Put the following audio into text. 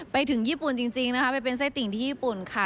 ไปถึงญี่ปุ่นจริงนะคะไปเป็นไส้ติ่งที่ญี่ปุ่นค่ะ